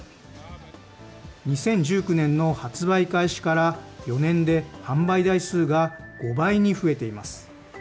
２０１９年の発売開始から４年で販売台数が５倍に増えています。